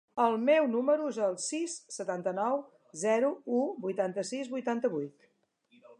El meu número es el sis, setanta-nou, zero, u, vuitanta-sis, vuitanta-vuit.